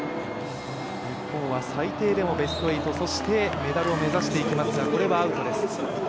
日本は最低でもベスト８そしてメダルを目指していきますがこれはアウトです。